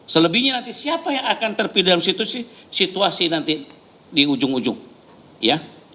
selebihnya nanti siapa yang akan terpilih dalam situasi situasi nanti di ujung ujung ya